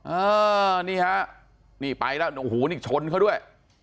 อ่านี่ฮะนี่ไปแล้วโอ้โหนี่ชนเขาด้วย